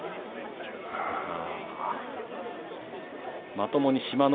まともに志摩ノ